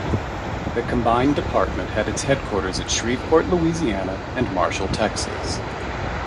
The combined department had its headquarters at Shreveport, Louisiana, and Marshall, Texas.